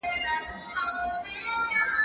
زه به سبا ته فکر کړی وي،